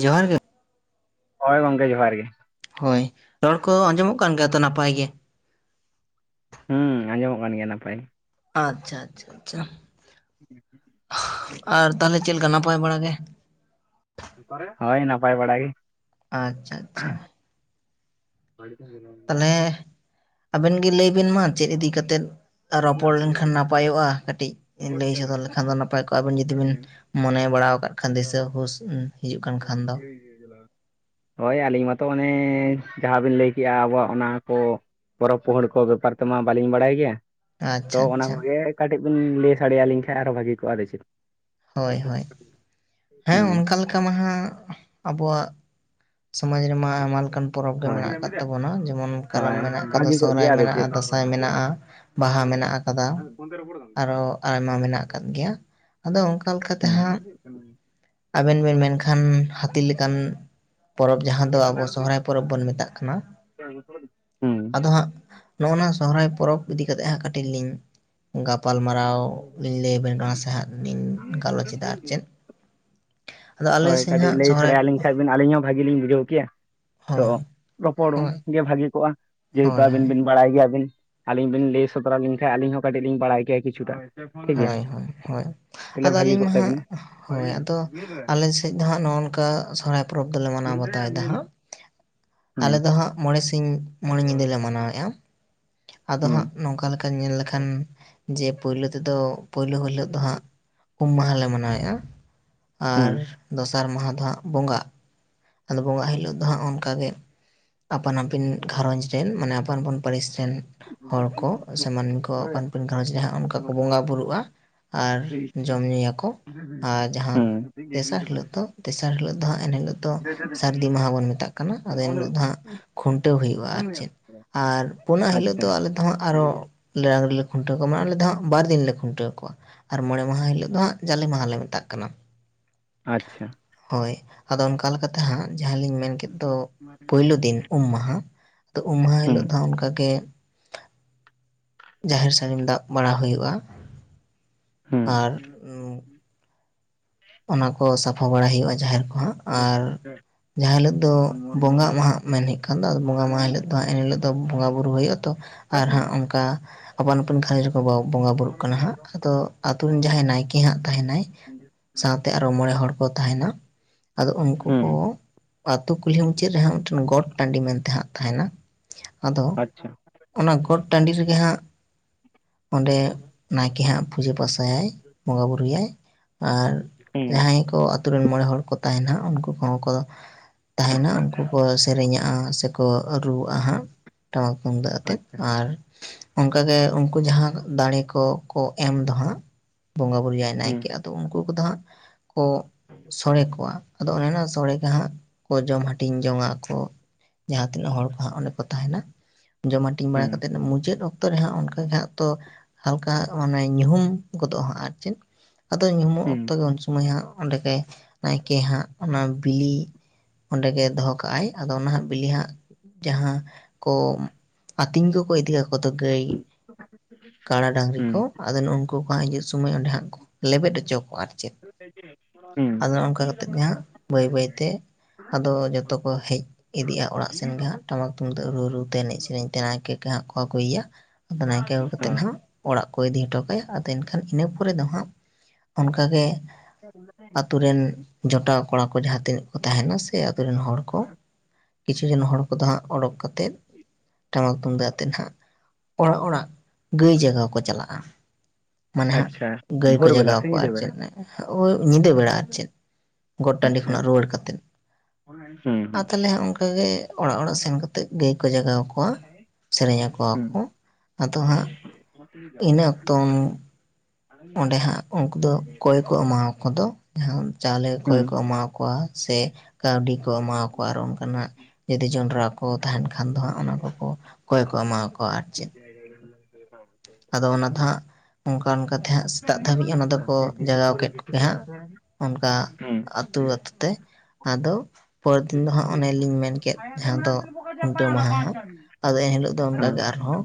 ᱡᱚᱦᱟᱨ ᱜᱮ ᱦᱳᱭ ᱜᱚᱝᱠᱮ ᱡᱚᱦᱟᱨ ᱜᱮ ᱦᱳᱭ ᱨᱚᱲ ᱠᱚ ᱟᱸᱡᱚᱢᱚᱜ ᱠᱟᱱ ᱜᱮᱭᱟ ᱛᱚ ᱱᱟᱯᱟᱭ ᱜᱮ᱾ ᱦᱩᱸ ᱟᱸᱡᱚᱢᱚᱜ ᱠᱟᱱ ᱜᱮᱭᱟ ᱱᱟᱯᱟᱭ᱾ ᱟᱪᱪᱷᱟ ᱟᱪᱷᱟ ᱟᱪᱷᱟ ᱟᱨ ᱜᱮ ᱛᱟᱦᱞᱮ ᱪᱮᱫ ᱞᱮᱠᱟ ᱱᱟᱯᱟᱭ ᱵᱟᱲᱟ ᱜᱮ᱾ ᱦᱳᱭ ᱱᱟᱯᱟᱭ ᱵᱟᱲᱟ ᱜᱮ᱾ ᱟᱪᱪᱷᱟ ᱟᱪᱪᱷᱟ [unintelligible] ᱛᱟᱞᱦᱮ ᱟᱵᱮᱱ ᱜᱮ ᱞᱟᱹᱭ ᱵᱤᱱ ᱢᱟ ᱪᱮᱫ ᱤᱫᱤ ᱠᱟᱛᱮᱫ ᱨᱚᱯᱚᱲ ᱞᱮᱱᱠᱷᱟᱱ ᱱᱟᱯᱟᱭᱚᱜᱼᱟ, ᱠᱟᱹᱴᱤᱡ ᱞᱟᱹᱭ ᱥᱚᱫᱚᱨ ᱞᱮᱠᱷᱟᱱ ᱫᱚ ᱱᱟᱯᱟᱭ ᱠᱚᱜᱼᱟ, ᱟᱹᱵᱤᱱ ᱡᱩᱫᱤ ᱵᱤᱱ ᱢᱚᱱᱮ ᱵᱟᱲᱟᱣ ᱠᱟᱜ ᱠᱷᱟᱱ ᱫᱤᱥᱟᱹ ᱦᱩᱥ ᱦᱤᱡᱩᱜ ᱠᱟᱱ ᱠᱷᱟᱱ ᱫᱚ᱾ ᱦᱳᱭ ᱟᱹᱞᱤᱧ ᱢᱟᱛᱚ ᱚᱱᱮ ᱡᱟᱦᱟᱸᱵᱤᱱ ᱞᱟᱹᱭ ᱠᱮᱜᱼᱟ ᱟᱵᱚᱣᱟᱜ ᱚᱱᱟ ᱠᱚ, ᱯᱚᱨᱚᱵᱽ ᱯᱩᱦᱳᱲ ᱠᱚ ᱵᱮᱯᱟᱨ ᱛᱮᱢᱟ ᱵᱟᱹᱞᱤᱧ ᱵᱟᱲᱟᱭ ᱜᱮᱭᱟ᱾ ᱛᱚ ᱟᱪᱪᱷᱟ ᱚᱱᱟ ᱟᱪᱪᱷᱟ ᱠᱚᱜᱮ ᱠᱟᱹᱴᱤᱡ ᱵᱮᱱ ᱞᱟᱹᱭ ᱥᱟᱰᱮ ᱟᱹᱞᱤᱧ ᱠᱷᱟᱱ ᱟᱨᱚ ᱵᱷᱟᱹᱜᱤ ᱠᱚᱜᱼᱟ ᱟᱫᱚ ᱪᱮᱫ᱾ ᱦᱳᱭ ᱦᱳᱭ ᱦᱮᱸ ᱦᱩᱸ ᱚᱱᱠᱟ ᱢᱟᱦᱟ ᱟᱵᱚᱣᱟᱜ ᱥᱚᱢᱟᱡᱽ ᱨᱮᱢᱟ ᱟᱭᱢᱟ ᱞᱮᱠᱟᱱ ᱯᱚᱨᱚᱵᱽ ᱜᱮ ᱦᱳᱭ ᱢᱮᱱᱟᱜ ᱟᱠᱟᱫ ᱛᱟᱵᱚᱱᱟ ᱾ᱡᱮᱢᱚᱱ ᱠᱟᱨᱟᱢ ᱦᱳᱭ ᱢᱮᱱᱟᱜ ᱟᱠᱟᱫᱟ, ᱵᱷᱟᱹᱜᱤ ᱠᱚᱜ ᱥᱚᱦᱨᱟᱭ ᱜᱮᱭᱟ ᱟᱫᱚ ᱢᱮᱱᱟᱜᱼᱟ, ᱪᱮᱫ ᱟᱸᱥᱟᱭ ᱢᱮᱱᱟᱜᱼᱟ, ᱵᱟᱦᱟ ᱢᱮᱱᱟᱜ ᱟᱠᱟᱫᱟ, ᱟᱨᱚ ᱟᱭᱢᱟ ᱢᱮᱱᱟᱜ ᱟᱠᱟᱫ ᱜᱮᱭᱟ᱾ ᱟᱫᱚ ᱚᱱᱠᱟ ᱞᱮᱠᱟ ᱛᱮ ᱦᱟᱸᱜ ᱦᱮᱸ ᱟᱵᱮᱱ ᱵᱮᱱ ᱢᱮᱱᱠᱷᱟᱱ ᱦᱟᱹᱛᱤ ᱞᱮᱠᱟᱱ ᱯᱚᱨᱚᱵᱽ ᱡᱟᱦᱟᱸ ᱫᱚ ᱟᱵᱚ ᱥᱚᱦᱨᱟᱭ ᱯᱚᱨᱚᱵᱽ ᱵᱚᱱ ᱢᱮᱛᱟᱜ ᱠᱟᱱᱟ, ᱦᱮᱸ ᱟᱫᱚ ᱦᱟᱸᱜ ᱱᱚᱜᱼᱱᱟ ᱥᱚᱦᱨᱟᱭ ᱯᱚᱨᱚᱵᱽ ᱤᱫᱤ ᱠᱟᱛᱮᱫ ᱦᱟᱸᱜ ᱠᱟᱹᱴᱤᱡ ᱞᱤᱧ ᱜᱟᱯᱟᱞᱢᱟᱨᱟᱣ ᱞᱤᱧ ᱞᱟᱹᱭ ᱟᱵᱤᱱ ᱠᱟᱱᱟ ᱥᱮ ᱦᱟᱜ ᱞᱤᱧ ᱜᱟᱞᱚᱪ ᱮᱫᱟ ᱟᱨ ᱪᱮᱫ ᱟᱫᱚ ᱟᱞᱮ ᱦᱳᱭ ᱥᱮᱱ ᱠᱟᱹᱴᱤᱡ ᱦᱟᱸᱜ ᱞᱟᱹᱭ ᱥᱚᱨᱦᱟᱭ ᱥᱟᱰᱮᱭᱟᱞᱤᱧ ᱠᱷᱟᱱ ᱟᱹᱞᱤᱧ ᱦᱚᱸ ᱵᱷᱟᱜᱮ ᱞᱤᱧ ᱵᱩᱡᱷᱟᱹᱣ ᱠᱮᱭᱟ ᱦᱳᱭ ᱛᱚ ᱨᱚᱯᱚᱲ ᱦᱳᱭ ᱜᱮ ᱵᱷᱟᱹᱜᱤ ᱠᱚᱜᱼᱟ᱾ ᱡᱮᱦᱮᱛᱩ ᱦᱳᱭ ᱦᱳᱭ ᱟᱵᱤᱱ ᱵᱤᱱ ᱵᱟᱲᱟᱭ ᱜᱮᱭᱟᱵᱤᱱ ᱟᱹᱞᱤᱧ ᱵᱤᱱ ᱞᱟᱹᱭ ᱥᱚᱫᱚᱨ ᱟᱞᱤᱧ ᱠᱷᱟᱱ ᱟᱹᱞᱤᱧ ᱦᱚᱸ ᱠᱟᱹᱴᱤᱡ ᱞᱤᱧ ᱵᱟᱲᱟᱭ ᱠᱮᱭᱟ ᱠᱤᱪᱷᱩᱴᱟ ᱾ᱦᱚᱭ ᱦᱳᱭ ᱦᱳᱭ ᱦᱳᱭ ᱟᱫᱚ ᱵᱷᱟᱹᱜᱤ ᱟᱹᱞᱤᱧ ᱠᱚᱜ ᱢᱟ ᱦᱟᱜ ᱛᱟᱵᱤᱱᱟ ᱦᱳᱭ ᱟᱫᱚ ᱟᱞᱮ ᱥᱮᱫ ᱫᱚ ᱦᱟᱸᱜ ᱱᱚᱜᱼ ᱱᱚᱝᱠᱟ ᱥᱚᱦᱚᱨᱟᱭ ᱯᱚᱨᱚᱵᱽ ᱫᱚᱞᱮ ᱢᱟᱱᱟᱣ ᱵᱟᱛᱟᱣᱮᱫᱟ ᱦᱟᱸᱜ, ᱦᱩᱸ ᱟᱞᱮ ᱫᱚ ᱦᱟᱸᱜ ᱢᱚᱬᱮ ᱥᱤᱧ ᱢᱚᱬᱮ ᱧᱤᱫᱟᱹ ᱞᱮ ᱢᱟᱱᱟᱣᱮᱫᱼᱟ᱾ ᱟᱫᱚ ᱦᱩᱸ ᱦᱟᱸᱜ ᱱᱚᱝᱠᱟ ᱞᱮᱠᱟ ᱧᱮᱞ ᱞᱮᱠᱷᱟᱱ ᱡᱮ ᱯᱳᱭᱞᱳ ᱛᱮᱫᱚ ᱯᱳᱭᱞᱩ ᱦᱤᱞᱳ ᱫᱚ ᱦᱟᱸᱜ ᱩᱢ ᱢᱟᱦᱟ ᱞᱮ ᱢᱟᱱᱟᱣᱮᱫᱼᱟ ᱦᱩᱸ ᱟᱨ ᱫᱚᱥᱟᱨ ᱢᱟᱦᱟ ᱫᱚ ᱦᱟᱸᱜ ᱵᱚᱸᱜᱟᱜ ᱟᱫᱚ ᱵᱚᱸᱜᱟ ᱦᱤᱞᱳᱜ ᱫᱚ ᱦᱟᱸᱜ ᱚᱱᱠᱟ ᱜᱮ ᱟᱯᱟᱱ ᱟᱹᱯᱤᱱ ᱜᱷᱟᱨᱚᱸᱡᱽ ᱨᱮᱱ ᱢᱟᱱᱮ ᱟᱯᱟᱱ ᱟᱯᱤᱱ ᱯᱟᱹᱨᱤᱥ ᱨᱮᱱ ᱦᱚᱲ ᱠᱚ ᱥᱮ ᱢᱟᱱᱢᱤ ᱠᱚ ᱟᱯᱟᱱ ᱟᱯᱤᱱ ᱜᱷᱟᱨᱚᱸᱡᱽ ᱨᱮ ᱦᱟᱸᱜ ᱚᱱᱠᱟ ᱠᱚ ᱵᱚᱸᱜᱟ ᱵᱳᱩᱨᱩᱜᱼᱟ ᱟᱨ ᱡᱚᱢ ᱧᱩᱭᱟᱠᱚ ᱟᱨ ᱡᱟᱸᱦᱟᱸ ᱦᱩᱸ ᱛᱮᱥᱟᱨ ᱦᱤᱞᱳᱜ ᱫᱚ ᱛᱮᱥᱟᱨ ᱦᱤᱞᱚᱜ ᱫᱚ ᱦᱟᱜ ᱮᱱ ᱦᱤᱞᱳᱜ ᱫᱚ ᱥᱟᱹᱨᱫᱤ ᱢᱟᱦᱟ ᱵᱚᱱ ᱢᱮᱛᱟᱜ ᱠᱟᱱᱟ ᱟᱫᱚ ᱮᱱ ᱦᱤᱞᱳᱜ ᱫᱚ ᱦᱟᱸᱜ ᱠᱷᱩᱱᱴᱟᱹᱣ ᱦᱩᱭᱩᱜᱼᱟ ᱟᱨ ᱪᱮᱫ᱾ ᱟᱨ ᱯᱩᱱᱟᱜ ᱦᱤᱞᱳᱜ ᱟᱪᱪᱷᱟ ᱫᱚ ᱟᱞᱮ ᱫᱚ ᱦᱟᱸᱜ ᱟᱨᱚ ᱨᱮᱞᱮ ᱠᱷᱩᱱᱴᱟᱹᱣ ᱠᱚᱣᱟ ᱢᱟᱱᱮ ᱟᱞᱮ ᱫᱚ ᱦᱟᱜ ᱵᱟᱨ ᱫᱤᱱ ᱞᱮ ᱠᱷᱩᱱᱴᱟᱹᱣ ᱠᱚᱣᱟ ᱟᱨ ᱢᱚᱬᱮ ᱢᱟᱦᱟ ᱦᱤᱞᱳᱜ ᱫᱚ ᱦᱟᱸᱜ ᱡᱟᱞᱮ ᱢᱟᱦᱟᱞᱮ ᱢᱮᱛᱟᱜ ᱠᱟᱱᱟ᱾ ᱟᱪᱪᱷᱟ ᱦᱳᱭ ᱟᱫᱚ ᱚᱱᱠᱟ ᱞᱮᱠᱟᱛᱮ ᱦᱟᱸᱜ ᱡᱟᱦᱟᱸᱞᱤᱧ ᱢᱮᱱ ᱠᱮᱫ ᱫᱚ, ᱯᱳᱭᱞᱳ ᱫᱤᱱ ᱩᱢ ᱢᱟᱦᱟ, ᱟᱫᱚ ᱩᱢ ᱢᱟᱦᱟᱸ ᱦᱩᱸ ᱦᱤᱞᱳᱜ ᱫᱚ ᱚᱱᱠᱟ ᱜᱮ ᱡᱟᱦᱮᱨ ᱥᱟᱹᱲᱤᱢ ᱫᱟᱜ ᱵᱟᱲᱟ ᱦᱩᱭᱩᱜᱼᱟ᱾ ᱦᱩᱸ ᱟᱨ ᱚᱱᱟ ᱠᱚ ᱥᱟᱯᱷᱟ ᱵᱟᱲᱟᱭ ᱦᱩᱭᱩᱜᱼᱟ, ᱡᱟᱦᱮᱨ ᱠᱚ ᱦᱟᱸᱜ ᱟᱨ ᱡᱟᱦᱟᱸ ᱦᱤᱞᱳᱜ ᱫᱚ ᱵᱚᱸᱜᱟᱜ ᱢᱟᱦᱟ ᱢᱮᱱ ᱦᱩᱭᱩᱜ ᱠᱟᱱ ᱫᱚ ᱵᱚᱸᱜᱟ ᱢᱟᱦᱟ ᱦᱤᱞᱳᱜ ᱫᱚ ᱦᱟᱸᱜ ᱮᱱ ᱦᱤᱞᱚᱜ ᱫᱚ ᱵᱚᱸᱜᱟ ᱵᱩᱨᱩ ᱦᱩᱭᱩᱜᱼᱟ ᱛᱚ ᱟᱨ ᱦᱟᱸᱜ ᱚᱱᱠᱟ ᱟᱯᱟᱱ ᱟᱹᱯᱤᱱ ᱜᱷᱟᱹᱭ ᱨᱮ ᱵᱟᱵᱟᱣ ᱵᱚᱸᱜᱟ ᱵᱩᱨᱩᱜ ᱠᱟᱱᱟ ᱦᱟᱸᱜ ᱟᱫᱚ ᱟᱹᱛᱩ ᱨᱮᱱ ᱡᱟᱦᱟᱸᱭ ᱱᱟᱭᱠᱮ ᱦᱟᱸᱜ ᱛᱟᱦᱮᱸᱱᱟᱭ ᱥᱟᱶᱛᱮ ᱟᱨᱚ ᱢᱚᱬᱮ ᱦᱚᱲ ᱠᱚ ᱛᱟᱦᱮᱸᱱᱟ ᱟᱫᱚ ᱩᱱᱠᱩ ᱠᱚ ᱦᱩᱸ ᱟᱹᱛᱩ ᱠᱩᱞᱦᱤ ᱢᱩᱪᱟᱹᱫ ᱨᱮ ᱦᱟᱸᱜ ᱢᱤᱫᱴᱟᱝ ᱜᱚᱴ ᱴᱟᱺᱰᱤ ᱢᱮᱱᱛᱮ ᱦᱟᱸᱜ ᱛᱟᱦᱮᱸᱱᱟ ᱟᱫᱚ ᱟᱪᱪᱷᱟ ᱾ ᱚᱱᱟ ᱜᱚᱴ ᱴᱟᱺᱰᱤ ᱨᱮᱜᱮ ᱦᱟᱸᱜ ᱚᱸᱰᱮ ᱱᱟᱭᱠᱮ ᱦᱟᱸᱜ ᱯᱩᱡᱟᱹ ᱯᱟᱥ ᱭᱟᱭ ᱵᱚᱸᱜᱟ ᱵᱩᱨᱩᱭᱟᱭ ᱟᱨ ᱦᱩᱸ ᱡᱟᱦᱟᱸᱭ ᱠᱚ ᱟᱹᱛᱩ ᱨᱮᱱ ᱢᱚᱬᱮ ᱦᱚᱲ ᱠᱚ ᱛᱟᱦᱮᱸᱱᱟ ᱩᱱᱠᱩ ᱠᱚᱦᱚᱸ ᱠᱚ ᱛᱟᱦᱮᱸᱱᱟ ᱩᱱᱠᱩ ᱠᱚ ᱥᱮᱨᱮᱧᱟᱜ-ᱟ ᱥᱮᱠᱚ ᱨᱩᱣᱟᱜᱼᱟ ᱦᱟᱸᱜ ᱴᱟᱢᱟᱠ ᱛᱩᱢᱫᱟᱜ ᱟᱛᱮᱫ ᱟᱪᱪᱷᱟ ᱟᱨ ᱚᱱᱠᱟ ᱜᱮ ᱩᱱᱠᱩ ᱡᱟᱦᱟᱸ ᱫᱟᱲᱮ ᱠᱚ, ᱠᱚ ᱮᱢ ᱫᱚ ᱦᱟᱸᱜ ᱵᱚᱸᱜᱟ ᱵᱩᱨᱩᱭᱟᱭ ᱦᱩᱸ ᱱᱟᱭᱠᱮ ᱟᱫᱚ ᱩᱱᱠᱩ ᱠᱚᱫᱚ ᱦᱟᱸᱜ ᱠᱚ ᱥᱚᱲᱮ ᱠᱚᱣᱟ, ᱟᱫᱚ ᱚᱱᱮ ᱚᱱᱟ ᱥᱚᱲᱮ ᱜᱮ ᱦᱟᱸᱜ ᱠᱚ ᱡᱚᱢ ᱦᱟᱹᱴᱤᱧ ᱡᱚᱝ ᱟᱠᱚ ᱾ ᱡᱟᱦᱟᱸ ᱛᱤᱱᱟᱹᱜ ᱦᱚᱲ ᱠᱚ ᱦᱟᱸᱜ ᱚᱸᱰᱮ ᱠᱚ ᱛᱟᱦᱮᱸᱱᱟ ᱡᱚᱢ ᱦᱟᱹᱴᱤᱧ ᱵᱟᱲᱟ ᱦᱩᱸ ᱠᱟᱛᱮᱫ ᱢᱩᱪᱟᱹᱫ ᱚᱠᱛᱚ ᱨᱮ ᱦᱟᱸᱜ ᱚᱱᱠᱟ ᱜᱮ ᱦᱟᱸᱜ ᱛᱚ ᱦᱟᱞᱠᱟ ᱦᱟᱸᱜ ᱢᱟᱱᱮ ᱧᱩᱦᱩᱢ ᱜᱚᱫᱚᱜᱼᱟ ᱦᱟᱸᱜ ᱟᱨ ᱪᱮᱫ ᱟᱫᱚ ᱧᱩᱦᱩᱢᱚᱜ ᱦᱩᱸ ᱚᱠ ᱛᱚ ᱩᱱ ᱥᱚᱢᱚᱭ ᱦᱟᱸᱜ ᱚᱸᱰᱮ ᱜᱮ ᱱᱟᱭᱠᱮ ᱦᱟᱸᱜ ᱚᱱᱟ ᱵᱤᱞᱤ ᱚᱸᱰᱮ ᱜᱮ ᱫᱚᱦᱚ ᱠᱟᱜ ᱟᱭ ᱟᱫᱚ ᱚᱱᱟ ᱦᱟᱸᱜ ᱵᱤᱞᱤ ᱦᱟᱸᱜ ᱡᱟᱦᱟᱸ ᱠᱚ ᱟᱹᱛᱤᱧ ᱠᱚᱠᱚ ᱤᱫᱤ ᱠᱟ- ᱠᱚᱫᱚ ᱜᱟᱹᱭ, ᱠᱟᱰᱟ ᱰᱟᱝᱨᱤ ᱦᱩᱸ ᱠᱚ ᱟᱫᱚ ᱱᱩᱝᱠᱩ ᱠᱚ ᱦᱟᱸᱜ ᱦᱤᱡᱩᱜ ᱥᱚᱢᱚᱭ ᱚᱸᱰᱮ ᱦᱟᱸᱜ ᱠᱚ ᱞᱮᱵᱮᱫ ᱦᱚᱪᱚ ᱠᱚᱣᱟ ᱟᱨᱠᱤ [inaudible] ᱟᱫᱚ ᱱᱚᱝᱠᱟ ᱠᱟᱛᱮᱫ ᱜᱮ ᱦᱟᱸᱜ ᱵᱟᱹᱭ ᱵᱟᱹᱭᱛᱮ ᱟᱫᱚ ᱡᱚᱛᱚ ᱠᱚ ᱦᱮᱡ ᱤᱫᱤᱜᱼᱟ ᱚᱲᱟᱜ ᱥᱮᱱ ᱜᱮ ᱦᱟᱸᱜ, ᱴᱟᱢᱟᱠ ᱛᱩᱢᱫᱟᱜ ᱨᱩ ᱨᱩ ᱛᱮ ᱮᱱᱮᱡ ᱥᱮᱨᱮᱧ ᱛᱮ ᱱᱟᱭᱠᱮ ᱠᱮ ᱦᱟᱸᱜ ᱠᱚᱣᱟ ᱤᱭᱟᱹ ᱟᱫᱚ ᱱᱟᱭᱠᱮ ᱟᱹᱜᱩ ᱚ ᱠᱟᱛᱮᱫ ᱱᱷᱟᱸᱜ ᱚᱲᱟᱜ ᱠᱚ ᱤᱫᱤ ᱦᱚᱴᱚ ᱠᱟᱭᱟ, ᱟᱫᱚ ᱮᱱᱠᱷᱟᱱ ᱤᱱᱟᱹ ᱯᱚᱨᱮ ᱫᱚ ᱦᱟᱸᱜ ᱠᱟᱜᱮ ᱟᱹᱛᱩ ᱨᱮᱱ ᱡᱚᱴᱟᱣ ᱠᱚᱲᱟ ᱠᱚ ᱡᱟᱦᱟᱸ ᱛᱤᱱᱟᱹᱜ ᱠᱚ ᱛᱟᱦᱮᱸᱱᱟ ᱜᱮ ᱟᱛᱩ ᱨᱮᱱ ᱦᱚᱲ ᱠᱚ ᱠᱤᱪᱷᱩ ᱡᱚᱱ ᱦᱚᱲ ᱠᱚᱫᱚ ᱦᱟᱸᱜ ᱚᱰᱚᱠ ᱠᱟᱛᱮᱫ ᱴᱟᱢᱟᱠ ᱛᱩᱢᱫᱟᱜ ᱛᱮ ᱱᱷᱟᱜ ᱚᱲᱟᱜ ᱚᱲᱟᱜ ᱜᱟᱹᱭ ᱡᱟᱜᱟᱣ ᱠᱚ ᱪᱟᱞᱟᱜᱼᱟ ᱾ ᱢᱟ ᱦᱟᱸᱜ ᱟᱪᱪᱷᱟ ᱜᱟᱹᱭ ᱠᱚ ᱵᱷᱳᱨ ᱵᱮᱞᱟ ᱡᱟᱜᱟᱣ ᱥᱮ ᱠᱚᱣᱟ ᱧᱤᱫᱟᱹ ᱵᱮᱲᱟ ᱪᱮᱫ ᱱᱟᱜ ᱚ ᱧᱤᱫᱟᱹ ᱵᱮᱲᱟ ᱟᱨ ᱪᱮᱫ, ᱜᱚᱴ ᱴᱟᱺᱰᱤ ᱟᱪᱪᱷᱟ ᱠᱷᱚᱱᱟᱜ ᱨᱩᱣᱟᱹᱲ ᱠᱟᱛᱮᱫ ᱾ ᱦᱩᱸ ᱟ ᱦᱩᱸ ᱛᱟᱞᱮ ᱦᱟᱸᱜ ᱚᱱᱠᱟᱜᱮ ᱚᱲᱟᱜ ᱚᱲᱟᱜ ᱥᱮᱱ ᱠᱟᱛᱮ ᱛᱮ ᱜᱟᱹᱭ ᱠᱚ ᱡᱟᱜᱟᱣ ᱠᱚᱣᱟ ᱥᱮᱨᱮᱧ ᱟᱠᱚᱣᱟ ᱦᱩᱸ ᱠᱚ ᱟᱫᱚ ᱦᱟᱸᱜ ᱤᱱᱟᱹ ᱚᱠᱛᱚ [unintelligible] ᱚᱸᱰᱮ ᱦᱟᱸᱜ ᱩᱱᱠᱩ ᱫᱚ ᱠᱚᱭ ᱠᱚ ᱮᱢᱟᱣ ᱠᱚ ᱫᱚ ᱡᱟᱦᱟᱸ ᱪᱟᱣᱞᱮ ᱠᱚᱭ ᱦᱩᱸ ᱠᱚ ᱮᱢᱟ ᱠᱚᱣᱟ ᱥᱮ ᱠᱟᱹᱣᱰᱤ ᱠᱚ ᱮᱢᱟᱣᱠᱚᱣᱟ ᱟᱨ ᱚᱱᱠᱟᱱᱟᱜ ᱡᱩᱫᱤ ᱡᱚᱸᱰᱨᱟ ᱠᱚ ᱛᱟᱦᱮᱸᱱ ᱠᱷᱟᱱ ᱫᱚ ᱦᱟᱸᱜ ᱚᱱᱟ ᱠᱚᱠᱚ ᱠᱚᱭ ᱠᱚ ᱮᱢᱟᱣ ᱠᱚᱣᱟ ᱟᱨ ᱪᱮᱫ᱾ ᱟᱫᱚ ᱚᱱᱟ ᱫᱚ ᱦᱟᱸᱜ ᱚᱱᱠᱟ ᱚᱱᱠᱟ ᱛᱮ ᱦᱟᱸᱜ ᱥᱮᱛᱟᱜ ᱫᱷᱟᱹᱵᱤᱡ ᱚᱱᱟ ᱫᱚᱠᱚ ᱡᱟᱜᱟᱣ ᱠᱮᱫ ᱠᱚᱜᱮ ᱦᱟᱸᱜ ᱚᱱᱠᱟ ᱟᱹᱛᱩ ᱟᱹᱛᱩ ᱛᱮ ᱟᱫᱚ ᱯᱚᱨᱮ ᱫᱤᱱ ᱫᱚ ᱦᱟᱸᱜ ᱚᱱᱮᱞᱤᱧ ᱢᱮᱱ ᱠᱮᱫ ᱡᱟᱦᱟᱸ ᱫᱚ ᱠᱷᱩᱱᱴᱟᱹᱣ ᱢᱟᱦᱟ ᱦᱚᱸ ᱟᱫᱚ ᱮᱱᱦᱤᱞᱚᱜ ᱫᱚ ᱚᱱᱠᱟ ᱜᱮ ᱟᱨᱦᱚᱸ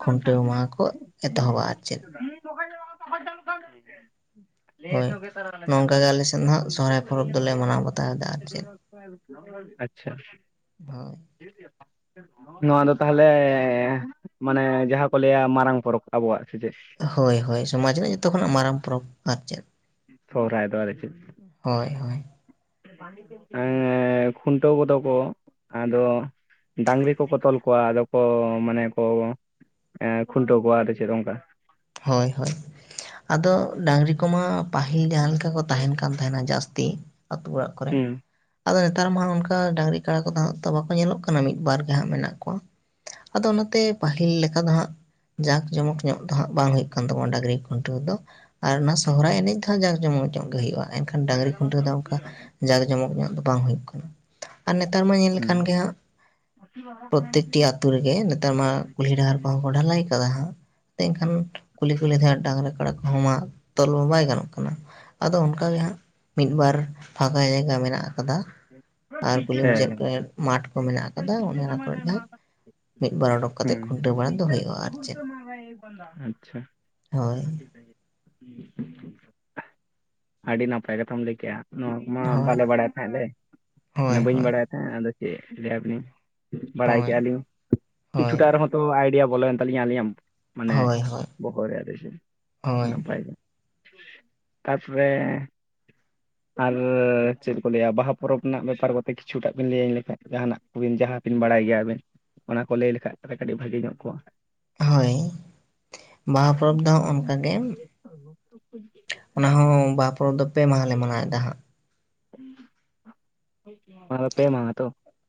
ᱠᱷᱩᱱᱴᱟᱹᱣ ᱢᱟᱦᱟ ᱠᱚ ᱮᱛᱚᱦᱚᱵᱟ ᱟᱨ ᱪᱮᱫ ᱾ [unintelligible] ᱦᱳᱭ ᱱᱚᱝᱠᱟᱜᱮ ᱟᱞᱮ ᱥᱮᱱ ᱫᱚ ᱦᱟᱸᱜ ᱥᱚᱦᱨᱟᱭ ᱯᱚᱨᱚᱵᱽ ᱫᱚᱞᱮ ᱢᱟᱱᱟᱣ ᱵᱟᱛᱟᱣᱮᱫᱟ ᱟᱨ ᱪᱮᱫ [unintelligible] ᱪᱷᱟ ᱾ [inaudible] [inaudible] ᱱᱚᱣᱟ ᱫᱚ ᱛᱟᱦᱚᱞᱮ ᱢᱟᱱᱮ ᱡᱟᱦᱟᱸ ᱠᱚ ᱞᱟᱹᱭᱟ ᱢᱟᱨᱟᱝ ᱯᱚᱨᱚᱵᱽ ᱟᱵᱚᱣᱟᱜ ᱥᱮ ᱪᱮᱫ? ᱦᱚᱭ ᱦᱚᱭ ᱥᱚᱢᱟᱡᱽ ᱨᱮᱱᱟᱜ ᱡᱚᱛᱚ ᱠᱷᱚᱱᱟᱜ ᱢᱟᱨᱟᱝ ᱯᱚᱨᱚᱵᱽ ᱟᱨ ᱪᱮᱫ ᱾ ᱥᱚᱦᱚᱨᱟᱭ ᱟᱫᱚ ᱪᱮᱫ? ᱦᱚᱭ ᱦᱚᱭ ᱾ ᱦᱮᱸ ᱠᱷᱩᱱᱴᱟᱹᱣ ᱠᱚᱫᱚ ᱠᱚ ᱟᱫᱚ ᱰᱟᱝᱜᱨᱤ ᱠᱚᱠᱚ ᱛᱚᱞ ᱠᱚᱣᱟ ᱟᱫᱚ ᱠᱚ ᱢᱟᱱᱮ ᱠᱚ ᱠᱷᱩᱱᱴᱟᱹᱣ ᱠᱚᱣᱟ ᱟᱫᱚ ᱪᱮᱫ ᱚᱱᱠᱟ? ᱦᱚᱭ ᱦᱚᱭ ᱟᱫᱚ ᱰᱟᱝᱜᱨᱤ ᱠᱚᱢᱟ ᱯᱟᱹᱦᱤᱞ ᱡᱟᱦᱟᱸ ᱞᱮᱠᱟ ᱠᱚ ᱛᱟᱦᱮᱱ ᱠᱟᱱ ᱛᱟᱦᱮᱱᱟ ᱡᱟᱹᱥᱛᱤ ᱟᱹᱛᱩ ᱚᱲᱟᱜ ᱠᱚᱨᱮ ᱦᱩᱸ ᱾ ᱟᱫᱚ ᱱᱮᱛᱟᱨ ᱢᱟ ᱚᱱᱠᱟ ᱰᱟᱝᱜᱨᱤ ᱠᱟᱰᱟ ᱠᱚᱫᱚ ᱦᱟᱸᱜ ᱛᱚ ᱵᱟᱠᱚ ᱧᱮᱞᱚᱜ ᱠᱟᱱᱟ ᱢᱤᱫ ᱵᱟᱨ ᱜᱮ ᱦᱟᱸᱜ ᱢᱮᱱᱟᱜ ᱠᱚᱣᱟ ᱾ ᱟᱫᱚ ᱱᱚᱛᱮ ᱯᱟᱹᱦᱤᱞ ᱞᱮᱠᱟ ᱫᱚ ᱦᱟᱸᱜ ᱡᱟᱠ ᱡᱚᱢᱚᱠ ᱧᱚᱜ ᱫᱚ ᱦᱟᱸᱜ ᱵᱟᱝ ᱦᱩᱭᱩᱜ ᱠᱟᱱ ᱛᱟᱵᱚᱱᱟ ᱰᱟᱜᱨᱤ ᱠᱷᱩᱱᱴᱟᱹᱣ ᱫᱚ ᱟᱨ ᱚᱱᱟ ᱥᱚᱦᱚᱨᱟᱭ ᱮᱱᱮᱡ ᱫᱚᱦᱚᱸ ᱡᱟᱠ ᱡᱚᱢᱚᱠ ᱧᱚᱜ ᱜᱮ ᱦᱩᱭᱩᱜᱼᱟ ᱾ ᱮᱱᱠᱷᱟᱱ ᱰᱟᱝᱜᱨᱤ ᱠᱷᱩᱱᱴᱟᱹ ᱫᱚ ᱚᱱᱠᱟ ᱡᱟᱠ ᱡᱚᱢᱚᱠ ᱧᱚᱜ ᱫᱚ ᱵᱟᱝ ᱦᱩᱭᱩᱜ ᱠᱟᱱᱟ ᱾ ᱟᱨ ᱱᱮᱛᱟᱨ ᱢᱟ ᱧᱮᱞ ᱦᱩᱸ ᱞᱮᱠᱷᱟᱱ ᱜᱮᱦᱟᱸᱜ ᱯᱨᱚᱛᱮᱠᱴᱤ ᱟᱛᱩ ᱨᱮᱜᱮ ᱱᱮᱛᱟᱨ ᱢᱟ ᱠᱩᱞᱦᱤ ᱰᱟᱦᱟᱨ ᱠᱚᱦᱚᱸ ᱠᱚ ᱰᱷᱟᱞᱟᱭ ᱠᱟᱫᱟ ᱦᱟᱸᱜ ᱠᱷᱟᱱ ᱠᱩᱞᱦᱤ ᱠᱩᱞᱤ ᱛᱮ ᱦᱟᱜ ᱰᱟᱝᱜᱨᱟ ᱠᱟᱰᱟ ᱠᱚᱦᱚᱸ ᱢᱟᱜ ᱛᱚᱞ ᱢᱟ ᱵᱟᱭ ᱜᱟᱱᱚᱜ ᱠᱟᱱᱟ ᱟᱫᱚ ᱚᱱᱠᱟ ᱜᱮ ᱦᱟᱸᱜ ᱢᱤᱫ ᱵᱟᱨ ᱯᱷᱟᱠᱟ ᱡᱟᱭᱜᱟ ᱢᱮᱱᱟᱜ ᱟᱠᱟᱫᱟ ᱟᱨ ᱠᱩᱞᱦᱤ ᱦᱮᱸ ᱢᱩᱪᱟᱹᱫ ᱠᱚᱨᱮ ᱢᱟᱴᱷ ᱠᱚ ᱢᱮᱱᱟᱜ ᱠᱟᱫᱟ ᱚᱱᱮ ᱚᱱᱟ ᱠᱚᱨᱮ ᱱᱟᱜ ᱢᱤᱫ ᱵᱟᱨ ᱚᱰᱚᱠ ᱠᱟᱛᱮᱫ ᱦᱩᱸ ᱠᱷᱩᱱᱴᱟᱹᱣ ᱵᱟᱲᱟ ᱫᱚ ᱦᱩᱭᱩᱜᱼᱟ ᱟᱨ ᱪᱮᱫ ᱾ ᱟᱪᱪᱷᱟ ᱾ ᱟᱰᱤ ᱱᱟᱯᱟᱭ ᱠᱟᱛᱷᱟᱢ ᱞᱟᱹᱭ ᱠᱮᱜᱼᱟ ᱾ ᱱᱚᱣᱟ ᱢᱟ ᱦᱳᱭ ᱵᱟᱞᱮ ᱵᱟᱰᱟᱭ ᱛᱟᱦᱮᱸ ᱞᱮ ᱢᱟᱱᱮ ᱦᱳᱭ ᱵᱟᱹᱧ ᱦᱳᱭ ᱵᱟᱰᱟᱭ ᱛᱟᱦᱮᱸ ᱟᱫᱚ ᱪᱮᱫ ᱞᱟᱹᱭᱟᱵᱤᱱ ᱵᱟᱰᱟᱭ ᱦᱳᱭ ᱠᱮᱫᱼᱟ ᱞᱤᱧ ᱦᱳᱭ ᱠᱤᱪᱷᱩᱴᱟ ᱨᱮᱦᱚᱸ ᱛᱚ ᱟᱭᱰᱤᱭᱟ ᱵᱚᱞᱚᱭᱮᱱ ᱛᱟᱞᱤᱧᱟ ᱟᱹᱞᱤᱧᱟ ᱢᱟᱱᱮ ᱦᱳᱭ ᱦᱳᱭ ᱵᱚᱦᱚᱜ ᱨᱮ ᱦᱳᱭ ᱱᱟᱯᱟᱭ ᱜᱮ ᱾ ᱛᱟᱯᱚᱨᱮ ᱟᱨ ᱪᱮᱫ ᱠᱚ ᱞᱟᱹᱭᱟ ᱵᱟᱦᱟ ᱯᱚᱨᱚᱵᱽ ᱨᱮᱱᱟᱜ ᱵᱮᱯᱟᱨ ᱠᱚᱛᱮ ᱠᱤᱪᱷᱩᱴᱟᱜ ᱵᱤᱱ ᱞᱟᱹᱭᱟᱹᱧ ᱞᱮᱠᱷᱟᱱ ᱡᱟᱦᱟᱱᱟᱜ ᱠᱚᱵᱤᱱ ᱡᱟᱦᱟᱸᱵᱤᱱ ᱵᱟᱰᱟᱭ ᱜᱮᱭᱟ ᱟᱹᱵᱤᱱ ᱾ ᱚᱱᱟ ᱠᱚ ᱞᱟᱹᱭ ᱞᱮᱠᱷᱟᱡ ᱛᱚᱵᱮ ᱠᱟᱹᱴᱤᱡ ᱵᱷᱟᱹᱜᱤ ᱧᱚᱜ ᱠᱚᱜᱼᱟ ᱾ ᱦᱚᱭ ᱾ ᱜᱮ [inaudible] ᱯᱚᱨᱚᱵ ᱫᱚ ᱯᱮ ᱢᱟᱦᱟᱞᱮ ᱢᱟᱱᱟᱣᱮᱫᱟ ᱦᱟᱸ ᱾ [unintelligible] ᱚᱱᱟ ᱫᱚ ᱯᱮ ᱢᱟᱦᱟ ᱛᱚ?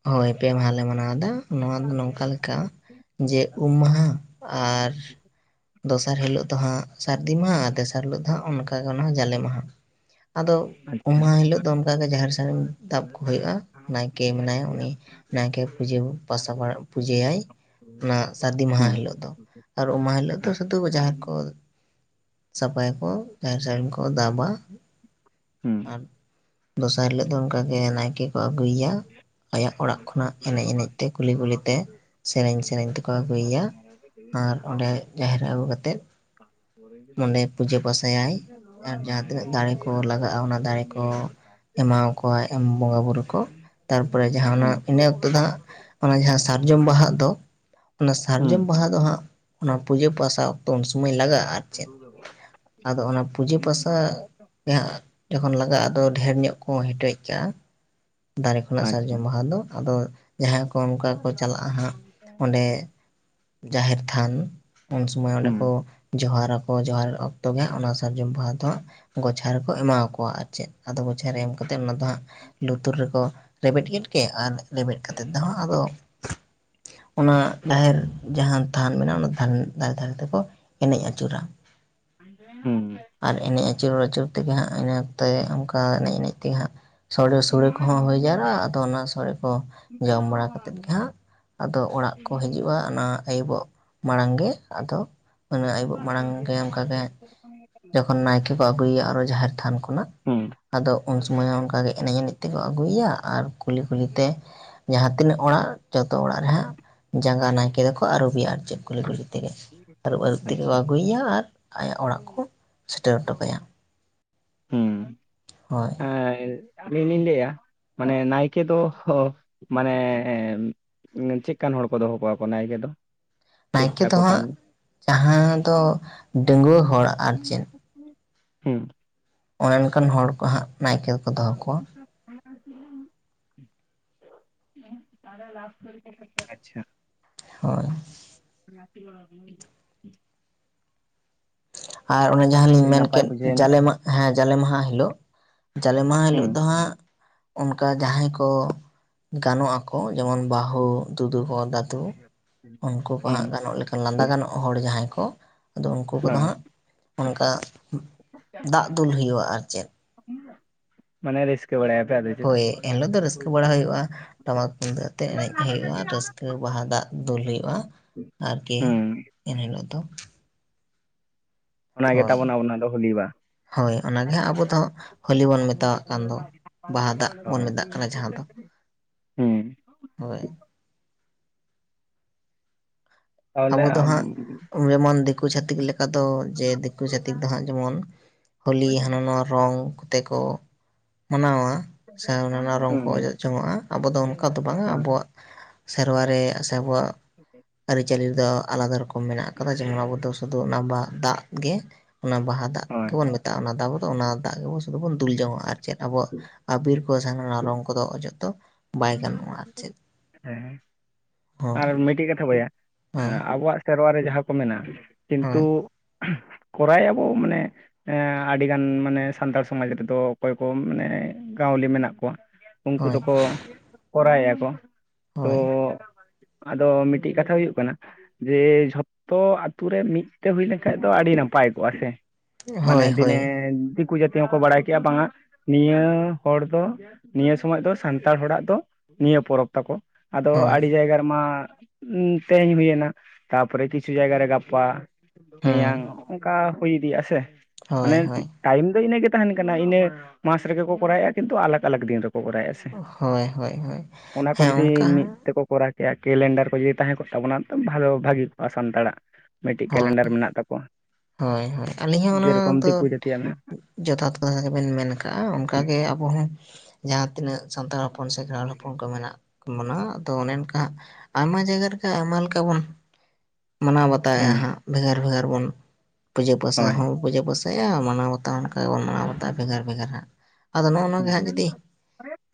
ᱦᱚᱭ ᱯᱮ ᱢᱟᱦᱟᱞᱮ ᱢᱟᱱᱟᱣ ᱮᱫᱟ ᱾ ᱱᱚᱣᱟ ᱫᱚ ᱱᱚᱝᱠᱟ ᱞᱮᱠᱟ ᱡᱮ ᱩᱢ ᱢᱟᱦᱟ ᱟᱨ ᱫᱚᱥᱟᱨ ᱦᱤᱞᱚᱜ ᱫᱚ ᱦᱟᱸᱜ ᱥᱟᱨᱫᱤ ᱢᱟᱦᱟ ᱟᱨ ᱛᱮᱥᱟᱨ ᱦᱤᱞᱚᱜ ᱫᱚ ᱦᱟᱸᱜ ᱚᱱᱠᱟᱜᱮ ᱚᱱᱟ ᱡᱟᱞᱮ ᱢᱟᱦᱟ ᱾ ᱟᱫᱚ ᱩᱢ ᱟᱪᱪᱷᱟ ᱢᱟᱦᱟ ᱦᱤᱞᱚᱜ ᱫᱚ ᱚᱱᱠᱟ ᱜᱮ ᱡᱟᱦᱮᱨ ᱥᱟᱹᱲᱤᱢ ᱫᱟᱵ ᱠᱚ ᱦᱩᱭᱩᱜᱼᱟ ᱱᱟᱭᱠᱮ ᱢᱮᱱᱟᱭᱟ ᱩᱱᱤ ᱱᱟᱭᱠᱮ ᱯᱩᱡᱟᱹ ᱯᱟᱥᱟ ᱯᱩᱡᱟᱹᱭᱟᱭ ᱚᱱᱟ ᱥᱟᱹᱨᱫᱤ ᱢᱟᱦᱟ ᱦᱩᱸ ᱦᱤᱞᱚᱜ ᱫᱚ ᱾ ᱟᱨ ᱩᱢ ᱢᱟᱦᱟ ᱦᱤᱞᱚᱜ ᱫᱚ ᱟᱪ- ᱥᱩᱫᱷᱩ ᱡᱟᱦᱟᱸ ᱠᱚ ᱥᱟᱯᱷᱟᱭᱟᱠᱚ ᱡᱟᱦᱮᱨ ᱥᱟᱹᱲᱤᱢ ᱠᱚ ᱫᱟᱵᱟ ᱦᱩᱸ ᱟᱨ ᱫᱚᱥᱟᱨ ᱦᱤᱞᱚᱜ ᱫᱚ ᱚᱱᱠᱟ ᱜᱮ ᱱᱟᱭᱠᱮ ᱠᱚ ᱟᱹᱜᱩᱭᱟ ᱟᱭᱟᱜ ᱚᱲᱟᱜ ᱠᱷᱚᱱᱟᱜ ᱮᱱᱮᱡ ᱮᱱᱮᱡ ᱛᱮ ᱠᱩᱞᱤ ᱠᱩᱞᱤ ᱛᱮ ᱥᱮᱨᱮᱧ ᱥᱮᱨᱮᱧ ᱛᱮᱠᱚ ᱟᱹᱜᱩᱭᱟ ᱟᱨ ᱚᱸᱰᱮ ᱡᱟᱦᱮᱨ ᱨᱮ ᱟᱹᱜᱩ ᱠᱟᱛᱮᱫ ᱚᱸᱰᱮ ᱯᱩᱡᱟᱹ ᱯᱟᱥᱟᱭᱟᱭ ᱟᱨ ᱡᱟᱦᱟᱸ ᱛᱤᱱᱟᱹᱜ ᱫᱟᱲᱮ ᱠᱚ ᱞᱟᱜᱟᱜᱼᱟ ᱚᱱᱟ ᱫᱟᱲᱮ ᱠᱚ ᱮᱢᱟᱣᱟᱠᱟᱭ ᱮᱢ ᱵᱚᱸᱜᱟ ᱵᱩᱨᱩ ᱠᱚ ᱛᱟᱯᱚᱨᱮ ᱡᱟᱦᱟ ᱚᱱᱟ ᱦᱩᱸ ᱤᱱᱟ ᱚᱠᱛᱚ ᱫᱚ ᱦᱟᱸᱜ ᱚᱱᱟ ᱡᱟᱦᱟᱸ ᱥᱟᱨᱡᱚᱢ ᱵᱟᱦᱟᱜ ᱫᱚ᱾ ᱚᱱᱟ ᱦᱩᱸ ᱥᱟᱨᱡᱚᱢ ᱵᱟᱦᱟ ᱫᱚ ᱦᱟᱸᱜ ᱚᱱᱟ ᱯᱩᱡᱟᱹ ᱯᱟᱥᱟᱣ ᱚᱠᱛᱚ ᱩᱱ ᱥᱚᱢᱚᱭ ᱞᱟᱜᱟᱜᱼᱟ ᱟᱨ ᱪᱮᱫ᱾ ᱟᱫᱚ ᱚᱱᱟ ᱯᱩᱡᱟᱹ ᱯᱟᱥᱟ ᱡᱟᱦᱟᱸ ᱡᱚᱠᱷᱚᱱ ᱞᱟᱜᱟᱜᱼᱟ᱾ ᱟᱫᱚ ᱰᱷᱮᱨ ᱧᱚᱜ ᱠᱚ ᱦᱮᱴᱮᱡ ᱠᱟᱜᱼᱟ ᱫᱟᱨᱮ ᱠᱷᱚᱱᱟᱜ ᱟᱪᱪᱷᱟ ᱥᱟᱨᱡᱚᱢ ᱵᱟᱦᱟ ᱫᱚ ᱟᱫᱚᱼᱼ ᱡᱟᱦᱟᱸᱭ ᱠᱚ ᱚᱱᱠᱟ ᱠᱚ ᱪᱟᱞᱟᱜᱼᱟ ᱦᱟᱸᱜ ᱚᱸᱰᱮ ᱡᱟᱦᱮᱨ ᱛᱷᱟᱱᱼᱼ ᱩᱱᱥᱚᱢᱚᱭ ᱚᱸᱰᱮ ᱦᱩᱸ ᱠᱚ ᱡᱚᱦᱟᱨᱟᱠᱚ ᱡᱚᱦᱟᱨ ᱚᱠᱛᱚ ᱜᱮᱦᱟᱜ ᱚᱱᱟ ᱥᱟᱨᱡᱚᱢ ᱵᱟᱦᱟ ᱫᱚᱼᱼ ᱜᱚᱪᱷᱟᱨ ᱨᱮᱠᱚ ᱮᱢᱟ ᱠᱚᱣᱟ ᱟᱨ ᱪᱮᱫ ᱟᱫᱚ ᱜᱳᱪᱷᱟᱨᱮ ᱮᱢ ᱠᱟᱛᱮᱫ ᱚᱱᱟ ᱫᱚ ᱦᱟᱸᱜᱼᱼ ᱞᱩᱛᱩᱨ ᱨᱮᱠᱚ ᱨᱮᱵᱮᱫ ᱠᱮᱫ ᱜᱮ ᱟᱨ ᱨᱮᱵᱮᱫ ᱠᱟᱛᱮ ᱫᱚᱦᱟᱸᱜ ᱟᱫᱚᱼᱼ ᱚᱱᱟ ᱡᱟᱦᱮᱨ ᱡᱟᱦᱟᱸ ᱛᱷᱟᱱ ᱢᱮᱱᱟᱜᱼᱟ ᱚᱱᱟ ᱛᱷᱟᱱ ᱫᱷᱟᱨᱮ ᱫᱷᱟᱨᱮ ᱛᱮᱠᱚᱼᱼ ᱮᱱᱮᱡ ᱟᱹᱪᱩᱨᱟ ᱦᱩᱸ ᱟᱨ ᱮᱱᱮᱡ ᱟᱹᱪᱩᱨ ᱟᱹᱪᱩᱨ ᱛᱮᱜᱮ ᱦᱟᱸᱜ ᱤᱱᱟ ᱚᱠᱛᱮ ᱚᱱᱠᱟ ᱮᱱᱮᱡ ᱮᱱᱮᱡ ᱛᱮᱜᱮ ᱦᱟᱸᱜ ᱥᱚᱲᱼᱼ ᱥᱩᱲᱟ ᱠᱚᱦᱚ ᱦᱩᱭ ᱡᱟᱣᱨᱟᱜᱼᱟ ᱟᱫᱚ ᱚᱱᱟ ᱥᱚᱲᱮ ᱠᱚ ᱡᱚᱢ ᱵᱟᱲᱟ ᱠᱟᱛᱮᱫ ᱜᱮ ᱦᱟᱸᱜᱼᱼ ᱟᱫᱚ ᱚᱲᱟᱜ ᱠᱚ ᱦᱤᱡᱩᱜᱼᱟ ᱚᱱᱟ ᱟᱹᱭᱩᱵᱚᱜ ᱢᱟᱲᱟᱝ ᱜᱮ ᱟᱫᱚᱼᱼ ᱢᱟᱱᱮ ᱟᱹᱭᱵᱩᱵ ᱢᱟᱲᱟᱝ ᱜᱮ ᱚᱱᱠᱟᱜᱮ, ᱡᱚᱠᱷᱚᱱ ᱱᱟᱭᱠᱮ ᱠᱚ ᱟᱹᱜᱩᱭᱟ ᱟᱨᱚ ᱡᱟᱦᱮᱨ ᱛᱷᱟᱱ ᱠᱷᱚᱱᱟᱜ ᱦᱩᱸ ᱟᱫᱚ ᱩᱱ ᱥᱚᱢᱚᱭ ᱦᱚᱸ ᱚᱱᱠ ᱜᱮ ᱮᱱᱮᱡ ᱮᱱᱮᱡᱼᱼ ᱛᱮᱠᱚ ᱟᱹᱜᱩᱭᱟ ᱟᱨ ᱠᱩᱞᱤ ᱠᱩᱞᱤ ᱛᱮ, ᱡᱟᱦᱟᱸ ᱛᱤᱱᱟᱹᱜ ᱚᱲᱟᱜ ᱡᱚᱛᱚ ᱚᱲᱟᱜ ᱨᱮᱦᱟᱸᱜ ᱡᱟᱸᱜᱟ ᱱᱟᱭᱠᱮ ᱫᱚᱠᱚ ᱟᱹᱜᱩ ᱮᱭᱟ ᱟᱨ ᱪᱮᱫ᱾ ᱠᱩᱞᱦᱤ ᱠᱩᱞᱦᱤ ᱛᱮᱜᱮ ᱟᱹᱨᱩᱵ ᱟᱹᱨᱩᱵ ᱛᱮᱜᱮ ᱠᱚ ᱟᱪᱪᱷᱟ ᱟᱹᱜᱩᱭᱟ ᱟᱨ ᱟᱭᱟᱜ ᱚᱲᱟᱜ ᱠᱚ ᱥᱮᱴᱮᱨ ᱦᱚᱴᱚ ᱠᱟᱭᱟ᱾ ᱦᱩᱸ ᱦᱳᱭ ᱮ ᱟᱹᱞᱤᱧ ᱞᱤᱧ ᱞᱟᱹᱭᱮᱼᱟ ᱢᱟᱱᱮ ᱱᱟᱭᱠᱮ ᱫᱚ ᱢᱟᱱᱮᱼᱼ ᱪᱮᱫ ᱠᱟᱱ ᱦᱚᱲ ᱠᱚ ᱫᱚᱦᱚ ᱠᱚᱣᱟ ᱠᱚ ᱱᱟᱭᱠᱮ ᱫᱚ᱾ ᱪᱮᱫ ᱱᱟᱭᱠᱮ ᱫᱚ ᱛᱟᱠᱚ ᱦᱟᱸᱜ ᱠᱟᱹᱢᱤ? ᱡᱟᱦᱟᱸ ᱫᱚ ᱰᱟᱹᱜᱩᱭᱟᱹ ᱦᱚᱲ ᱟᱨ ᱪᱮᱫ, ᱦᱩᱸ ᱚᱱᱮ ᱚᱱᱠᱟᱱ ᱦᱚᱲ ᱠᱚ ᱦᱟᱸᱜ ᱱᱟᱭᱠᱮ ᱫᱚᱠᱚ ᱫᱚᱦᱚ ᱠᱚᱣᱟ᱾ [unintelligible] ᱛᱟᱦᱞᱮ ᱞᱟᱵᱷ ᱠᱚ [inaudible] ᱟᱪᱪᱷᱟ ᱦᱳᱭ᱾ [inaudible] ᱟᱨ ᱚᱱᱮ ᱡᱟᱦᱟᱸ ᱟᱹᱰᱤ ᱞᱤᱧ ᱢᱮᱱ ᱱᱟᱯᱟᱭ ᱠᱮᱫ ᱵᱩᱡᱷᱟᱹᱣᱮᱱᱟ ᱡᱟᱞᱮ ᱢᱟᱜ ᱦᱮᱸ ᱡᱟᱞᱮ ᱢᱟᱦᱟ ᱦᱤᱞᱳᱜ᱾ ᱡᱟᱞᱮ ᱢᱟᱦᱟ ᱦᱤᱞᱳᱜ ᱦᱩᱸ ᱫᱚ ᱦᱟᱸᱜᱼᱼ ᱚᱱᱠᱟ ᱡᱟᱦᱟᱸᱭ ᱠᱚ ᱜᱟᱱᱚᱜ ᱟᱠᱚ ᱡᱮᱢᱚᱱ ᱵᱟᱹᱦᱩ ᱫᱩᱫᱩ ᱦᱚ ᱫᱟᱼᱼ ᱛᱩ ᱩᱱᱠᱩ ᱠᱚ ᱦᱩᱸ ᱦᱟᱸᱜ ᱜᱟᱱᱚᱜ ᱞᱮᱠᱟᱱ ᱞᱟᱸᱫᱟ ᱜᱟᱱᱚᱜ ᱦᱚᱲ ᱡᱟᱦᱟᱸᱭ ᱠᱚ ᱟᱫᱚ ᱩᱱᱠᱩ ᱠᱚᱫᱚ ᱦᱮᱸ ᱦᱟᱸᱜᱼᱼ ᱚᱱᱠᱟ ᱫᱟᱜ ᱫᱩᱞ ᱦᱩᱭᱩᱜᱼᱟ ᱟᱨ ᱪᱮᱫ, ᱢᱟᱱᱮ ᱨᱟᱹᱥᱠᱟᱹ ᱵᱟᱲᱟᱭᱟ ᱯᱮ ᱟᱫᱚ ᱪᱮᱫ᱾ ᱨᱟᱹᱠᱟᱹ ᱵᱟᱲᱟ ᱦᱩᱭᱩᱜᱼᱟ ᱴᱟᱢᱟᱠ ᱛᱩᱢᱫᱟᱹᱜ ᱟᱛᱮᱜ ᱮᱱᱮᱡ ᱦᱩᱭᱩᱜᱼᱟ ᱨᱟᱹᱥᱠᱟᱹ ᱵᱟᱦᱟ ᱫᱟᱜ ᱫᱩᱞ ᱦᱩᱭᱩᱜᱼᱟ। ᱟᱨᱠᱤ ᱦᱩᱸ ᱮᱱᱦᱤᱞᱳᱜ ᱫᱚ। ᱚᱱᱟᱜᱮ ᱦᱳᱭ ᱛᱟᱵᱚᱱ ᱟᱵᱚ ᱱᱟᱜ ᱫᱚ ᱦᱚᱞᱤ ᱵᱟ? ᱦᱳᱭ ᱚᱱᱟᱜᱮ ᱦᱟᱸᱜ ᱟᱵᱚ ᱫᱚ ᱦᱳᱞᱤ ᱵᱚᱱ ᱢᱮᱛᱟᱣᱟᱜ ᱠᱟᱱ ᱫᱚ ᱦᱳᱭ ᱵᱟᱦᱟ ᱫᱟᱜ ᱵᱚᱱ ᱢᱮᱛᱟᱜ ᱠᱟᱱᱟ ᱡᱟᱦᱟᱸ ᱫᱚ᱾ ᱦᱩᱸ ᱦᱳᱭ ᱛᱟᱦᱚᱞᱮ ᱟᱵᱚ ᱫᱚ ᱟᱢ ᱦᱟᱸᱜ ᱡᱮᱢᱚᱱ ᱫᱤᱠᱩ ᱪᱷᱟᱹᱛᱤᱠ ᱞᱮᱠᱟ ᱚᱱᱠᱟ ᱫᱚ ᱡᱮ ᱫᱤᱠᱩ ᱪᱟᱹᱛᱤᱠ ᱫᱚ ᱦᱟᱸᱜ ᱡᱮᱢᱚᱱ ᱦᱳᱞᱤ ᱦᱟᱱᱟ ᱱᱟᱣᱟ᱾ ᱨᱚᱝ ᱠᱚᱛᱮ ᱠᱚ ᱢᱟᱱᱟᱣᱟ। ᱥᱮ ᱚᱱᱮᱚᱱᱟ ᱨᱚᱝ ᱠᱚ ᱦᱩᱸ ᱚᱡᱚᱜ ᱡᱚᱝᱚᱜᱼᱟ ᱟᱵᱚ ᱫᱚ ᱚᱱᱠᱟ ᱫᱚ ᱦᱩᱸ ᱵᱟᱝᱟ ᱦᱳᱭ ᱟᱵᱚᱣᱟᱜ, ᱥᱮᱨᱣᱟᱨᱮ ᱟᱥᱟ ᱟᱵᱚᱣᱟᱜ, ᱪᱟᱹᱞᱤ ᱫᱚ ᱟᱞᱟᱫᱟ ᱨᱚᱠᱚᱢ ᱢᱮᱱᱟᱜ ᱟᱠᱟᱫᱟ ᱡᱮᱢᱚᱱ ᱟᱵᱚ ᱫᱚ ᱥᱩᱫᱩ ᱚᱱᱟ ᱵᱟᱦᱟ ᱫᱟᱜᱽ ᱜᱮ ᱚᱱᱟ ᱵᱟᱦᱟ, ᱫᱟᱜᱽ ᱦᱳᱭ ᱜᱮᱵᱚᱱ ᱢᱮᱛᱟᱜᱼᱟ ᱚᱱᱟ ᱫᱚ ᱟᱵᱚ ᱫᱚ ᱚᱱᱟ ᱫᱟᱜᱽ ᱜᱮᱵᱚᱱ ᱥᱩᱫᱩ ᱵᱚᱱ ᱫᱩᱞ ᱡᱚᱝᱚᱜᱼᱟ ᱟᱨ ᱪᱮᱫ ᱟᱵᱚᱣᱟᱜ, ᱟᱵᱤᱨ ᱠᱚ ᱡᱟᱦᱟᱸᱱᱟᱜ ᱨᱚᱝ ᱠᱚᱫᱚ ᱚᱡᱚᱜ ᱫᱚ ᱵᱟᱭ ᱜᱟᱱᱚᱜᱼᱟ ᱟᱨ ᱪᱮᱫ᱾ ᱦᱮᱸ ᱦᱳᱭ ᱟᱨ ᱢᱤᱫᱴᱮᱜ ᱠᱟᱛᱷᱟ ᱵᱚᱭᱦᱟ ᱦᱳᱭ ᱟᱵᱚᱣᱟᱜ ᱥᱮᱨᱣᱟ ᱨᱮ ᱡᱟᱦᱟᱸ ᱠᱚ ᱢᱮᱱᱟ ᱦᱳᱭ ᱠᱤᱱᱛᱩ, ᱠᱚᱨᱟᱭᱮᱜᱼᱟ ᱵᱚ ᱢᱟᱱᱮ, ᱟᱹᱰᱤᱜᱟᱱ ᱢᱟᱱᱮ ᱥᱟᱱᱛᱟᱲ ᱥᱚᱢᱟᱡᱽ ᱨᱮᱫᱚ ᱚᱠᱚᱭ ᱠᱚ ᱢᱟᱱᱮ ᱜᱟᱣᱞᱤ ᱢᱮᱱᱟᱜ ᱠᱚᱣᱟ᱾ ᱩᱱᱠᱩ ᱦᱳᱭ ᱫᱚᱠᱚ ᱠᱚᱨᱟᱣᱮᱫᱼᱟ ᱠᱚ ᱛᱚ, ᱦᱳᱭ ᱟᱫᱚ ᱢᱤᱫᱴᱤᱜ ᱠᱟᱛᱷᱟ ᱦᱩᱭᱩᱜ ᱠᱟᱱᱟ, ᱡᱮ ᱡᱷᱚᱛᱚ ᱟᱛᱳ ᱨᱮ ᱢᱤᱫᱛᱮ ᱦᱩᱭ ᱞᱮᱱᱠᱷᱟᱱ ᱫᱚ ᱟᱹᱰᱤ ᱱᱟᱯᱟᱭ ᱠᱚᱜᱼᱟ ᱥᱮ᱾ ᱦᱳᱭ ᱢᱟᱱᱮ ᱦᱳᱭ ᱫᱤᱱᱮ ᱦᱳᱭ ᱫᱤᱠᱩ ᱡᱟᱹᱛᱤ ᱦᱚᱸᱠᱚ ᱵᱟᱲᱟᱭ ᱠᱮᱭᱟ ᱵᱟᱝᱟ ᱱᱤᱭᱟᱹ ᱦᱚᱲ ᱫᱚ, ᱱᱤᱭᱟᱹ ᱥᱚᱢᱚᱭ ᱫᱚ ᱥᱟᱱᱛᱟᱲ ᱦᱚᱲᱟᱜ ᱫᱚ ᱱᱤᱭᱟᱹ ᱯᱚᱨᱚᱵᱽ ᱛᱟᱠᱚ᱾ ᱟᱫᱚ ᱦᱳᱭ ᱟᱹᱰᱤ ᱡᱟᱭᱜᱟ ᱨᱮ ᱢᱟ ᱛᱮᱦᱮᱧ ᱦᱩᱭᱮᱱᱟ ᱛᱟᱯᱚᱨᱮ ᱠᱤᱪᱷᱩ ᱡᱟᱭᱜᱟᱨᱮ ᱜᱟᱯᱟ, ᱦᱩᱸ ᱢᱮᱭᱟᱝ ᱚᱱᱠᱟ ᱦᱩᱭ ᱤᱫᱤᱜ ᱟᱥᱮ ᱢᱟᱱᱮ, ᱦᱳᱭ ᱦᱳᱭ ᱴᱟᱭᱤᱢ ᱫᱚ ᱤᱱᱟᱹ ᱜᱮ ᱛᱟᱦᱮᱱ ᱠᱟᱱᱟ ᱤᱱᱟᱹ ᱢᱟᱥ ᱨᱮᱜᱮ ᱠᱚ ᱠᱚᱨᱟᱣᱮᱫᱼᱟ ᱠᱤᱱᱛᱩ ᱟᱞᱟᱜᱼ ᱟᱞᱟᱜ ᱫᱤᱱ ᱨᱮᱠᱚ ᱠᱚᱨᱟᱣᱮᱫᱼᱟ। ᱥᱮ ᱦᱳᱭ ᱦᱳᱭ ᱦᱳᱭ ᱚᱱᱟ ᱠᱚ ᱦᱮᱸ ᱡᱩᱫᱤ ᱚᱱᱠᱟ ᱢᱤᱫ ᱦᱚᱸ, ᱛᱮᱠᱚ ᱠᱚᱨᱟᱣ ᱠᱮᱭᱟ ᱠᱮᱞᱮᱱᱰᱟᱨ ᱠᱚ ᱡᱩᱫᱤ ᱛᱟᱦᱮᱸ ᱠᱚᱜ ᱛᱟᱵᱚᱱᱟ ᱛᱚ ᱵᱷᱟᱞᱳ ᱵᱷᱟᱹᱜᱤ ᱠᱚᱜᱼᱟ ᱥᱟᱱᱛᱟᱲᱟᱜ᱾ ᱢᱤᱠᱴᱮᱜ ᱦᱳᱭ ᱠᱮᱞᱮᱱᱰᱟᱨ ᱢᱮᱱᱟᱜ ᱛᱟᱠᱚᱣᱟ, ᱦᱳᱭ ᱦᱳᱭ ᱟᱹᱞᱤᱧ ᱦᱚᱸ ᱚᱱᱟ ᱡᱮᱨᱚᱠᱚᱢ ᱫᱤᱠᱩ ᱫᱚ ᱡᱟᱹᱛᱤᱭᱟᱜ ᱢᱮᱱᱟᱜᱼᱟ। ᱡᱚᱛᱷᱟᱛ ᱠᱟᱛᱷᱟ ᱜᱮᱵᱚᱱ ᱢᱮᱱ ᱠᱟᱜᱼᱟ ᱚᱱᱠᱟᱜ ᱜᱮ ᱟᱵᱚ ᱦᱚᱸ ᱡᱟᱦᱟᱸ ᱛᱤᱱᱟᱹᱜ, ᱥᱟᱱᱛᱟᱲ ᱦᱚᱯᱚᱱ ᱥᱮ ᱠᱷᱮᱨᱣᱟᱞ ᱦᱚᱯᱚᱱ ᱠᱚ ᱢᱮᱱᱟᱜ᱾ ᱢᱟᱱᱟᱣᱟ ᱟᱫᱚ ᱚᱱᱮ ᱚᱱᱠᱟ ᱟᱭᱢᱟ ᱡᱟᱭᱜᱟ ᱨᱮᱜᱮ ᱟᱭᱢᱟ ᱞᱮᱠᱟ ᱵᱚᱱ ᱢᱟᱱᱟᱣ ᱵᱟᱛᱟᱣ, ᱛᱟᱭᱟ ᱦᱩᱸ ᱦᱟᱸᱜ ᱵᱷᱮᱜᱟᱨᱼ ᱵᱷᱮᱜᱟᱨ ᱵᱚᱱ ᱯᱩᱡᱟᱹ ᱯᱟᱥᱟ ᱦᱳᱭ ᱦᱚᱸ, ᱯᱩᱡᱟᱹ ᱯᱟᱹᱥᱟᱭᱟ ᱢᱟᱱᱟᱣ ᱵᱟᱛᱟᱣ ᱦᱚᱸ ᱱᱟᱜᱠᱷᱟᱱ ᱚᱱᱠᱟ ᱜᱮᱵᱚᱱ ᱢᱟᱱᱟᱣ ᱵᱟᱛᱟᱣᱼᱟ ᱵᱷᱮᱜᱟᱨ ᱵᱷᱮᱜᱟᱨ ᱦᱟᱸᱜ ᱟᱫᱚ ᱱᱚᱜᱼᱚ ᱱᱚᱣᱟ ᱜᱮ ᱦᱟᱸᱜ ᱡᱩᱫᱤ,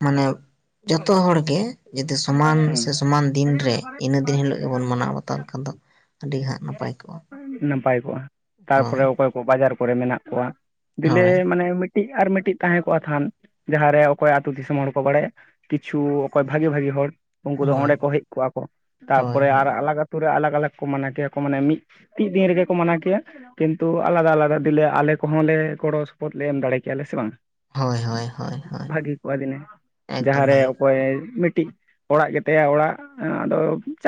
ᱢᱟᱱᱟᱣ, ᱡᱚᱛᱚ ᱦᱚᱲᱜᱮ ᱡᱩᱫᱤ ᱥᱚᱢᱟᱱ ᱥᱮ ᱦᱩᱸ ᱥᱚᱢᱟᱱ ᱫᱤᱱ ᱨᱮ ᱤᱱᱟᱹ ᱫᱤᱱ ᱦᱤᱞᱳᱜ ᱜᱮᱵᱚᱱ ᱢᱟᱱᱟᱣ ᱵᱟᱛᱟᱣ ᱞᱮᱠᱷᱟᱱ ᱫᱚ, ᱟᱹᱰᱤᱜᱮ ᱦᱟᱸᱜ᱾ ᱱᱟᱯᱟᱭ ᱠᱚᱜᱼᱟ ᱱᱟᱯᱟᱭ ᱠᱚᱜᱼᱟ ᱦᱳᱭ ᱛᱟᱨᱯᱚᱨᱮ ᱚᱠᱚᱭ ᱠᱚ ᱵᱟᱡᱟᱨ ᱠᱚᱨᱮ ᱢᱮᱱᱟᱜ ᱠᱚᱣᱟ, ᱫᱤᱞᱮ ᱦᱳᱭ ᱢᱟᱱᱮ ᱢᱤᱫᱴᱤᱜ ᱟᱨ ᱢᱤᱫᱴᱤᱜ ᱛᱟᱦᱮᱸ ᱠᱚᱣᱟᱜ ᱛᱷᱟᱱ ᱡᱟᱦᱟᱸᱨᱮ ᱚᱠᱚᱭᱟᱜ ᱟᱹᱛᱩ ᱫᱤᱥᱚᱢ ᱦᱚᱲ ᱠᱚ ᱵᱟᱲᱟᱭᱟ ᱠᱤᱪᱷᱩ ᱚᱠᱚᱭ ᱵᱷᱟᱜᱤ ᱵᱷᱟᱜᱤ ᱦᱚᱲ, ᱩᱱᱠᱩ ᱫᱚ ᱚᱸᱰᱮ ᱦᱳᱭ ᱠᱚ ᱦᱮᱡ ᱠᱚᱜᱼᱟ ᱠᱚ ᱦᱳᱭ ᱛᱟᱯᱚᱨᱮ ᱦᱳᱭ ᱟᱨ ᱟᱞᱟᱜ ᱟᱹᱛᱩ ᱨᱮ ᱟᱞᱟᱜᱽ ᱟᱞᱟᱜᱽ ᱠᱚ ᱢᱟᱱᱟ ᱠᱮᱭᱟ ᱠᱚ ᱢᱟᱱᱮ ᱢᱤᱫ, ᱛᱤᱜ ᱫᱤᱱ ᱨᱮᱜᱮ ᱠᱚ ᱢᱟᱱᱟᱣ ᱠᱮᱭᱟ᱾ ᱠᱤᱱᱛᱩ ᱟᱞᱟᱫᱟ ᱟᱞᱟᱫᱟ ᱫᱤᱞᱮ ᱟᱞᱮ ᱠᱚᱦᱚᱸ ᱞᱮ ᱜᱚᱲᱚ ᱥᱚᱯᱚᱦᱚᱫ ᱞᱮ ᱮᱢ ᱫᱟᱲᱮ ᱠᱮᱭᱟᱞᱮ ᱥᱮ ᱵᱟᱝ? ᱦᱳᱭ ᱦᱳᱭ ᱦᱳᱭ ᱦᱳᱭ ᱵᱷᱟᱹᱜᱤ ᱠᱚᱜᱼᱟ ᱫᱤᱱᱮ ᱮᱠᱫᱚᱢ ᱡᱟᱦᱟᱸᱨᱮ ᱵᱷᱟᱹᱜᱤ ᱚᱠᱚᱭ ᱢᱤᱫᱴᱤᱜ ᱚᱲᱟᱜ ᱜᱮᱛᱟᱭᱟ ᱚᱲᱟᱜ ᱟᱫᱚ ᱪᱟᱠ